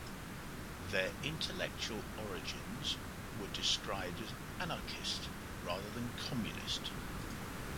Their intellectual origins were described as 'anarchist' rather than Communist.